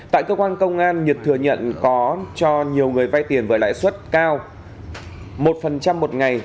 tại cơ quan công an nhật thừa nhận có cho nhiều người vay tiền với lãi suất cao một một ngày